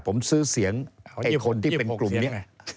ผมซื้อเสียงไอ้คนที่เป็นกลุ่มนี้